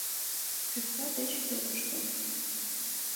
Пӧкла деч йодыштын.